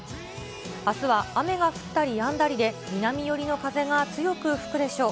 あすは雨が降ったりやんだりで、南寄りの風が強く吹くでしょう。